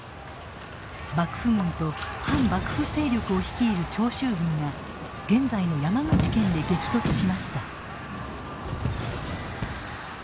幕府軍と反幕府勢力を率いる長州軍が現在の山口県で激突しました。